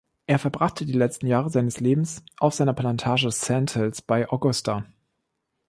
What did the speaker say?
Er verbrachte die letzten Jahre seines Lebens auf seiner Plantage "Sand Hills" bei Augusta.